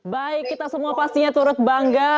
baik kita semua pastinya turut bangga